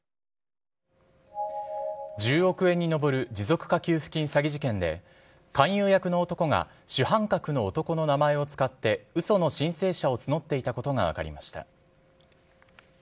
１０億円に上る持続化給付金詐欺事件で、勧誘役の男が主犯格の男の名前を使ってうその申請者を募っていたことが分かりました。